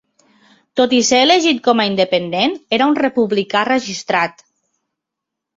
Tot i ser elegit com a independent, era un republicà registrat.